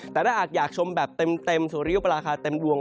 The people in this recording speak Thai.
แต่ถ้าอาจอยากชมแบบเต็มสุริยุปราคาเต็มดวง